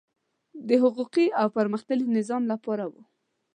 د حقوقي او پرمختللي نظام لپاره وو.